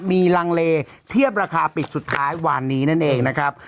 มีลังเลเทียบราคาปิดสุดท้ายวานนี้นั่นเองนะครับ